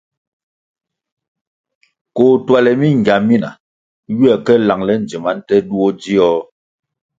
Koh tuale mingia mina ywe ka langle ndzima nte duo dzio.